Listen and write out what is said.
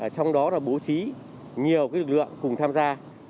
trong đó là bố trí nhiều lực lượng cùng tham gia